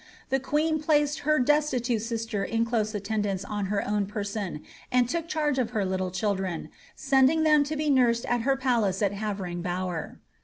The queen placed her destitute sister in close attendance on her own penoOf and took charge of her little children, sending them to be nursed at her palace of Havering Bower.